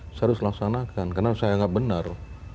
saya harus laksanakan karena saya anggap benar